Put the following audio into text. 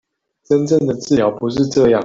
真正的治療不是這樣